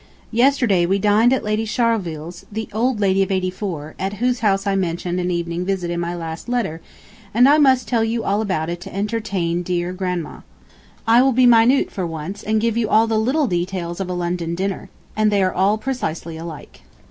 . Yesterday we dined at Lady Charleville's, the old lady of eighty four, at whose house I mentioned an evening visit in my last, and I must tell you all about it to entertain dear Grandma. I will be minute for once, and give you the little details of a London dinner, and they are all precisely alike.